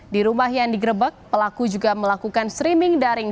di rumah yang digerebek pelaku juga melakukan streaming daring